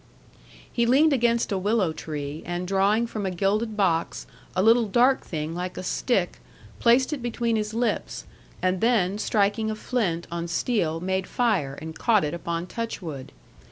'He leaned against a willow tree, and drawing from a gilded box a little dark thing like a stick, placed it between his lips, and then striking a flint on steel made fire and caught it upon touchwood.